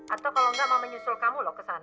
atau kalau tidak mama menyusul kamu ke sana